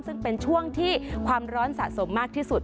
ซึ่งเป็นช่วงที่ความร้อนสะสมมากที่สุด